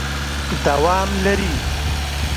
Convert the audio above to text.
دوام لري ...